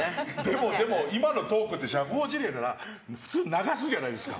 でも、今のトークって社交辞令だから普通流すじゃないですか。